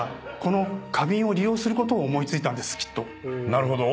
なるほど。